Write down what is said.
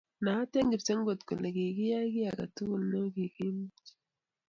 Naat eng' kipsengwet kole kikiyai kiy age tugul ne kikimuch